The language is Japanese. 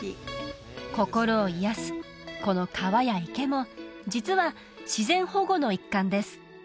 心を癒やすこの川や池も実は自然保護の一環です